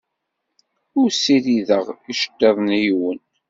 Ur ssirideɣ iceḍḍiḍen i yiwen.